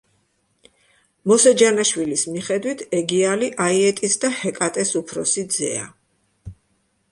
მოსე ჯანაშვილის მიხედვით, ეგიალი აიეტის და ჰეკატეს უფროსი ძეა.